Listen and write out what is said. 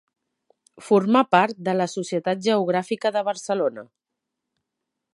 Formà part de la Societat Geogràfica de Barcelona.